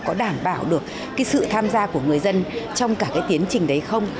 có đảm bảo được cái sự tham gia của người dân trong cả cái tiến trình đấy không